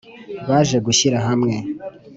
Baje gushyira hamwe